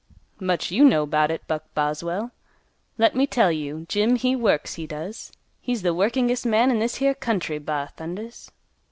"Much you know 'bout it, Buck Boswell. Let me tell you, Jim he works, he does. He's the workingest man in this here county, ba thundas!